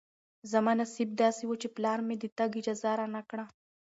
زما نصیب داسې و چې پلار مې د تګ اجازه رانه کړه.